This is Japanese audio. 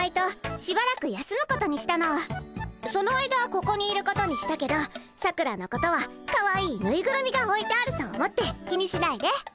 その間ここにいることにしたけどさくらのことはかわいいぬいぐるみがおいてあると思って気にしないで。